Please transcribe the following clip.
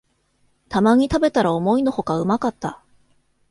たまに食べたら思いのほかうまかった